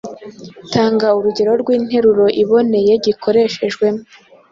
Tanga urugero rw’interuro iboneye gikoreshejwemo.